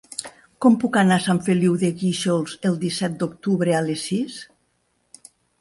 Com puc anar a Sant Feliu de Guíxols el disset d'octubre a les sis?